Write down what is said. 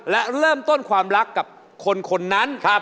และเริ่มต้นความรักกับคนนั้น